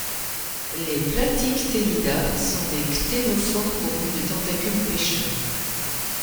Les Platyctenida sont des cténophores pourvus de tentacules pêcheurs.